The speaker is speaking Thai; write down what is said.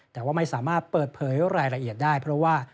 แต่ว่าไม่สามารถเปิดเผยรายละเอียดได้เพราะว่า